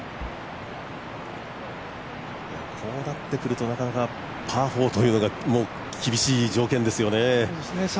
こうなってくるとなかなかパー４というのが厳しい条件ですよね。